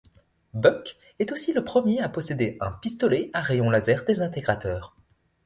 Buck est aussi le premier à posséder un pistolet à rayon laser désintégrateur.